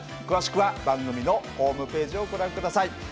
詳しくは番組のホームページをご覧下さい。